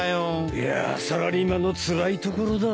いやサラリーマンのつらいところだな。